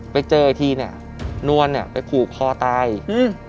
ไปเจออีกทีเนี้ยนวลเนี้ยไปผูกคอตายอืม